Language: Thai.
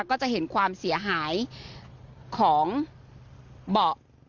ก็จะเห็นความเสียหายของเบาะ